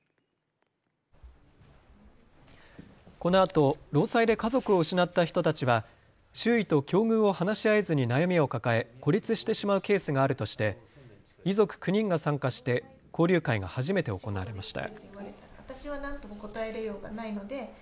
このあと労災で家族を失った人たちは周囲と境遇を話し合えずに悩みを抱え孤立してしまうケースがあるとして遺族９人が参加して交流会が初めて行われました。